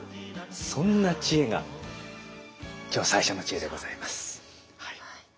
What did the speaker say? そんな知恵が今日最初の知恵でございます。